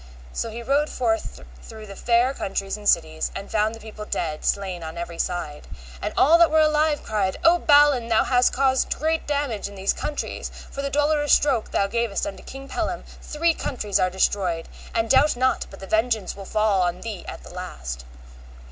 So he rode forth through the fair countries and cities, and found the people dead, slain on every side. And all that were alive cried, O Balin, thou hast caused great damage in these countries; for the dolorous stroke thou gavest unto King Pellam three countries are destroyed, and doubt not but the vengeance will fall on thee at the last.